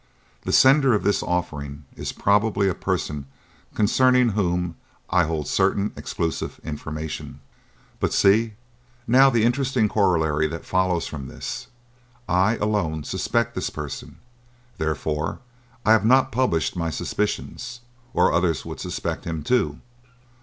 The sender of this offering is probably a person concerning whom I hold certain exclusive information. "But see, now, the interesting corollary that follows from this. I, alone, suspect this person; therefore I have not published my suspicions, or others would suspect him too.